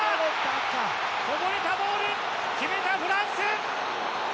こぼれたボール決めたフランス！